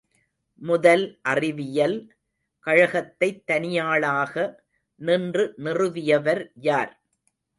முதல் அறிவியல் கழகத்தைத் தனியாளாக நின்று நிறுவியவர் யார்?